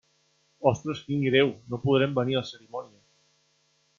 Ostres, quin greu, no podrem venir a la cerimònia.